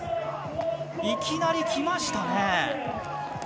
いきなりきましたね。